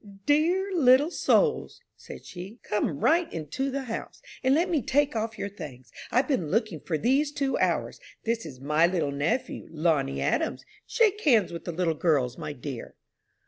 "Dear little souls," said she, "come right into the house, and let me take off your things. I've been looking for you these two hours. This is my little nephew, Lonnie Adams. Shake hands with the little girls, my dear."